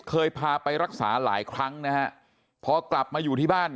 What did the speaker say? เคยพาไปรักษาหลายครั้งนะฮะพอกลับมาอยู่ที่บ้าน